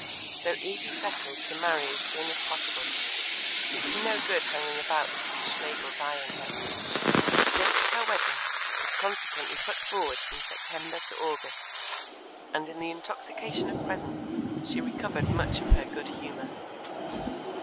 So Evie settled to marry as soon as possible; it was no good hanging about with these Schlegels eyeing her. The date of her wedding was consequently put forward from September to August, and in the intoxication of presents she recovered much of her good humour.